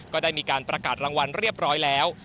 ก็ได้มีการประกาศรางวัลเรียบร้อยแล้ว